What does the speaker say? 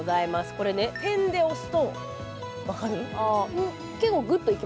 これ、点で押すと分かる？